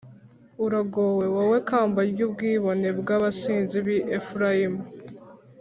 Uragowe! Wowe kamba ry’ubwibone bw’abasinzi b’i Efurayimu.